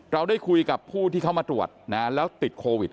เราได้คุยกับผู้ที่เขามาตรวจนะแล้วติดโควิด